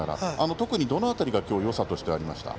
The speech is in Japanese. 特に、どの辺りがよさとしてありましたか。